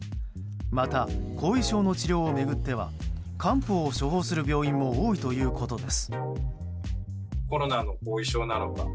また、後遺症の治療を巡っては漢方を処方する病院も多いということです。